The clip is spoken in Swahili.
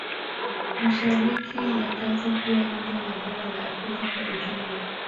Mashariki ya kati pia India na bara la Afrika kwa Ujumla